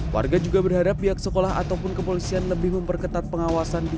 warga juga berharap pihak sekolah ataupun kepolisian lebih memperketat pengawasan di